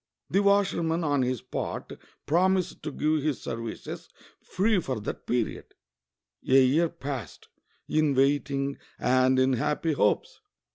The washerman on his part prom ised to give his sersices free for that period. A year passed in waiting and in happy hopes.